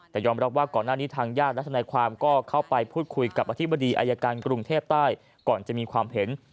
แต่ยอมรับว่าก่อนหน้านี้ทางญาติและทนายความก็เข้าไปพูดคุยกับอธิบดีอายการกรุงเทพใต้ก่อนจะมีความเห็น